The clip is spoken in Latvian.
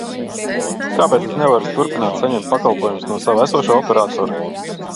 Kāpēc es nevaru turpināt saņemt pakalpojumus no sava esošā operatora?